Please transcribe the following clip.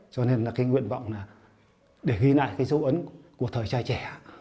cho nên là cái nguyện vọng là để ghi lại cái dấu ấn của thời trai trẻ